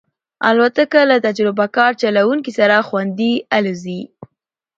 الوتکه له تجربهکار چلونکي سره خوندي الوزي.